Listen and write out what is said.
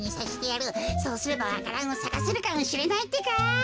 そうすればわか蘭をさかせるかもしれないってか。